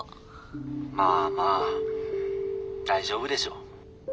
まあまあ大丈夫でしょ。